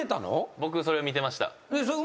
僕それを見てました。